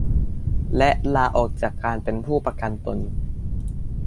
และลาออกจากการเป็นผู้ประกันตน